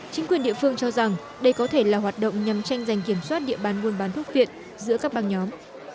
chính quyền địa phương cho rằng đây có thể là hoạt động nhằm tranh giành kiểm soát địa bàn buôn bán thuốc viện giữa các băng nhóm